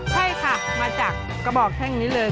ใช่ค่ะมาจากกระบอกแท่งนี้เลย